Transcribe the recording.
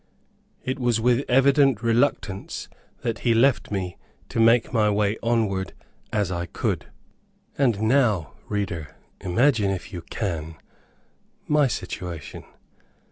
It was with evident reluctance that he left me to make my way onward as I could. And now, reader, imagine, if you can, my situation.